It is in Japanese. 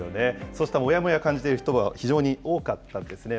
そうしたもやもや感じている人は非常に多かったですね。